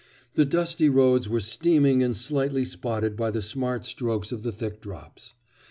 The dusty roads were steaming and slightly spotted by the smart strokes of the thick drops.